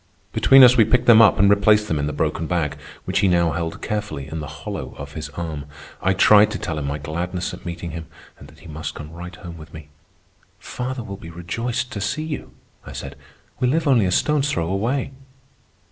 Between us we picked them up and replaced them in the broken bag, which he now held carefully in the hollow of his arm. I tried to tell him my gladness at meeting him and that he must come right home with me. "Father will be rejoiced to see you," I said. "We live only a stone's throw away.